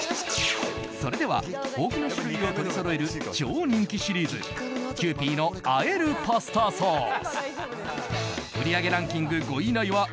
それでは豊富な種類を取りそろえる超人気シリーズキユーピーのあえるパスタソース